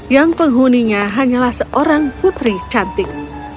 yang penghuninya hanyalah seorang putri cantik